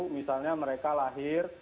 misalnya mereka lahir